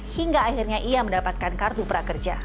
hingga akhirnya ia mendapatkan kartu prakerja